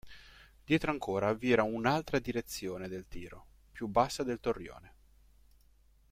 Dietro ancora vi era un'altra direzione del tiro, più bassa del torrione.